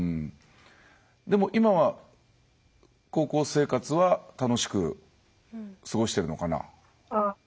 今は高校生活は楽しく過ごしてるのかな。